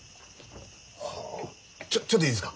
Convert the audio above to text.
あちょちょっといいですか？